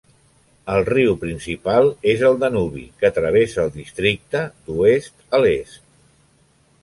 El riu principal és el Danubi, que travessa el districte d'oest a l'est.